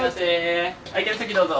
空いてる席どうぞ。